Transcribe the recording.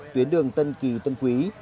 tuyến đường tân kỳ tân quý